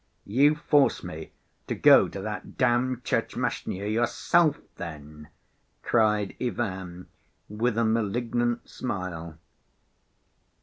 "You force me to go to that damned Tchermashnya yourself, then?" cried Ivan, with a malignant smile.